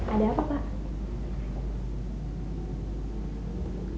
ada apa pak